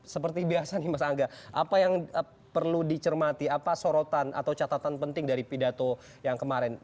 seperti biasa nih mas angga apa yang perlu dicermati apa sorotan atau catatan penting dari pidato yang kemarin